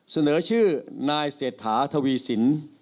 เสนอชื่อนายเศรษฐาทวีสิน